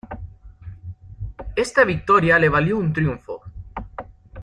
Esta victoria le valió un triunfo.